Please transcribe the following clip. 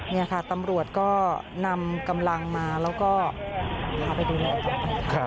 นี่ค่ะตำรวจก็นำกำลังมาแล้วก็พาไปดูแลต่อไป